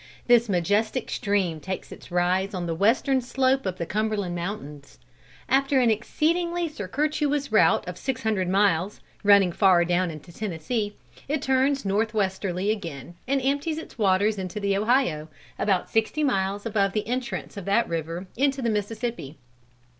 This majestic stream takes its rise on the western slope of the Cumberland mountains. After an exceedingly circuitous route of six hundred miles, running far down into Tennessee, it turns north westerly again, and empties its waters into the Ohio, about sixty miles above the entrance of that river into the Mississippi.